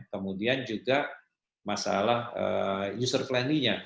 kemudian juga masalah user planning nya